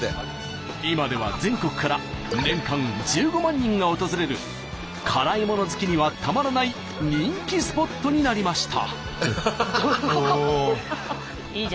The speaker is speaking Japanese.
今では全国から年間１５万人が訪れる辛いもの好きにはたまらない人気スポットになりました。